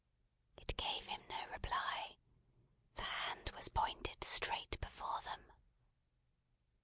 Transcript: It gave him no reply. The hand was pointed straight before them.